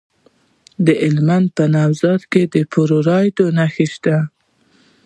د هلمند په نوزاد کې د فلورایټ نښې شته.